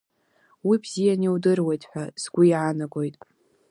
Уи бзианы иудыруеит ҳәа сгәы иаанагоит.